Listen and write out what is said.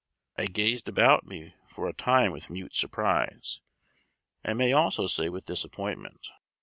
I gazed about me for a time with mute surprise, I may almost say with disappointment.